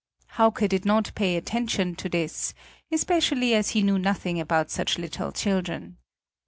Hauke did not pay attention to this, especially as he knew nothing about such little children.